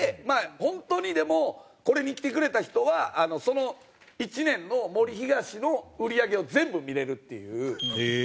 まあ本当にでもこれに来てくれた人はその１年の森東の売り上げを全部見れるっていう。